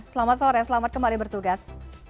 selamat sore selamat kembali bertugas